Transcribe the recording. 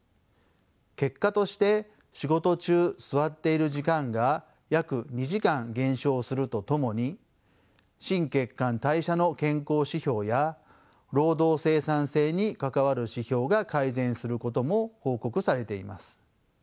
結果として仕事中座っている時間が約２時間減少するとともに心血管代謝の健康指標や労働生産性に関わる指標が改善することも報告されています。